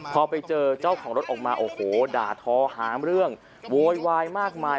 พอไปเจอเจ้าของรถออกมาโอ้โหด่าทอหาเรื่องโวยวายมากมาย